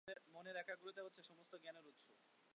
মনের একাগ্রতাই হচ্ছে সমস্ত জ্ঞানের উৎস।